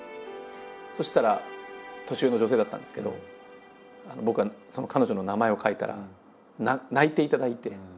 そしたら年上の女性だったんですけど僕がその彼女の名前を書いたら泣いていただいて。